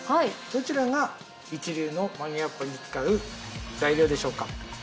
どちらが一流の曲げわっぱに使う材料でしょうか？